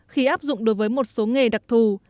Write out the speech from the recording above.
khi áp dụng đối với một số nghề đặc thù